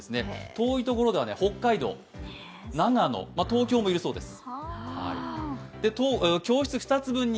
遠いところでは北海道、長野、東京もいるそうです。